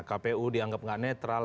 kpu dianggap nggak netral